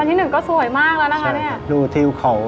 ชั้นที่หนึ่งก็สวยมากแล้วนะคะใช่ครับดูทีวข่าว